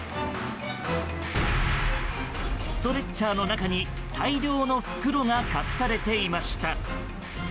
ストレッチャーの中に大量の袋が隠されていました。